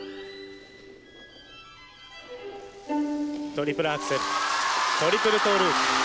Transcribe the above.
トリプルアクセルトリプルトーループ。